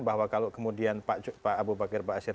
bahwa kalau kemudian pak abu bakar pak sir